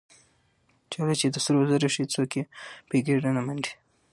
ـ چاړه چې د سرو زرو شي څوک يې په ګېډه نه منډي.